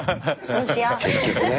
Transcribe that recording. そうしよ。